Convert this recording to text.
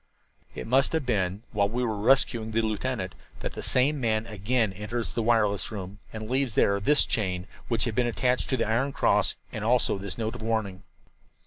"It must have been while we were rescuing the lieutenant that the same man again enters the wireless room and leaves there this chain, which had been attached to the iron cross, and also this note of warning.